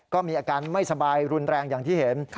ก็มีอาการไม่สบายรุนแรงอย่างที่เห็น